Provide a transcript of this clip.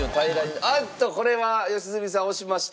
あっとこれは良純さん押しました。